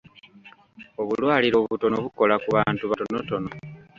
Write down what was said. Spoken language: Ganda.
Obulwaliro obutono bukola ku bantu batonotono.